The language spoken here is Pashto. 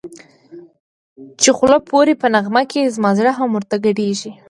چی خوله پوری په نغمه کی زما زړه هم ورته گډېږی